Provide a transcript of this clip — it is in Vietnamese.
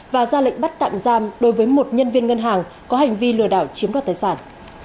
và ra lệnh bắt tạm giam đối với một nhân viên ngân hàng có hành vi lừa đảo chiếm đoạt tài sản